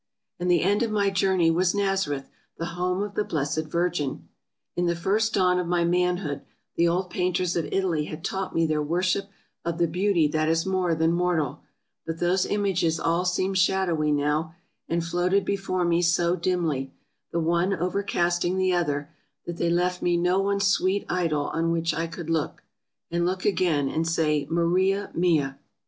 And the end of my journey was Nazareth — the home of the blessed Virgin ! In the first dawn of my manhood the old painters of Italy had taught me their worship of the beauty that is more than mortal ; but those images all seemed shadowy now, and floated before me so dimly, the one overcasting the other, that they left me no one sweet idol on which I could look, and look again, and say, " Maria mia!